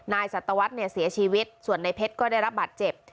นายสัตวัสดิ์เนี่ยเสียชีวิตส่วนนายเพชรก็ได้รับบัตรเจ็บ